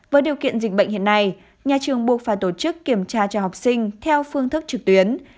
với điều kiện dịch bệnh hiện nay nhà trường buộc phải tổ chức kiểm tra cho học sinh theo phương thức trực tuyến